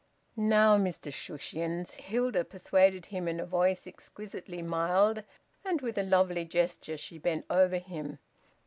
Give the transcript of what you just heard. "Now, Mr Shushions," Hilda persuaded him in a voice exquisitely mild, and with a lovely gesture she bent over him.